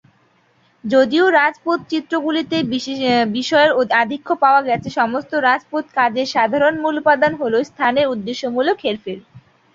যদিও রাজপুত চিত্রগুলিতে বিষয়ের আধিক্য পাওয়া গেছে, সমস্ত রাজপুত কাজের সাধারণ মূল উপাদান হল স্থানের উদ্দেশ্যমূলক হেরফের।